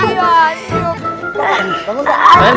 itu macin banget